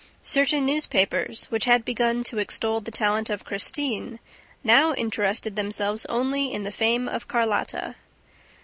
Certain newspapers which had begun to extol the talent of Christine now interested themselves only in the fame of Carlotta.